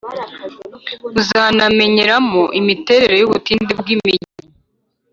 Uzanamenyeramo imiterere y’ubutinde bw’imigemo